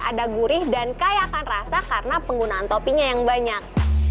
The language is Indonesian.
ada gurih dan kayakan rasa karena penggunaan toppingnya yang banyak